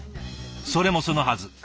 それもそのはず。